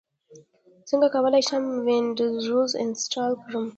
څنګه کولی شم وینډوز انسټال کړم